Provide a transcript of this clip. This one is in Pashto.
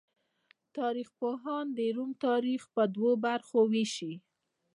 تاریخ پوهان د روم تاریخ په دوو برخو ویشي.